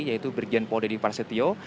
yaitu irjen pol dedy parasetio